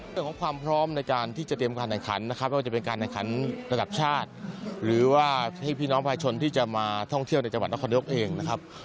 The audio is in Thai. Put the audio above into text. เรื่องของความพร้อมในการที่จะเตรียมการแข่งขันนะครับไม่ว่าจะเป็นการแข่งขันระดับชาติหรือว่าให้พี่น้องภายชนที่จะมาท่องเที่ยวในจังหวัดนครนายกเองนะครับ